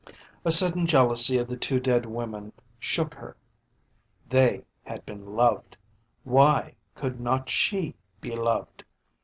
A sudden jealousy of the two dead women shook her. They had been loved. Why could not she be loved?